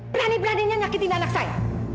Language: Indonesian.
berani beraninya nyakitin anak saya